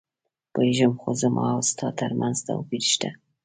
پوهېږم، خو زما او ستا ترمنځ توپیر شته.